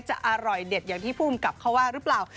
จะอร่อยเด็ดอย่างที่ผู้กำกับเขาว่าหรือเปล่า